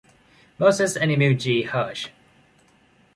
Moses and Emil G. Hirsch.